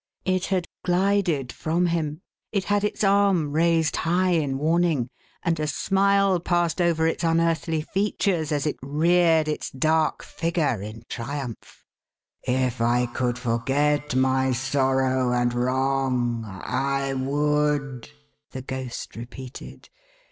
It had glided from him ; it had its arm raised high in warning ; and a smile passed over its unearthly features as it reared its dark figure in triumph. "If I could forget my sorrow and wrong, I would," the Ghost repeated.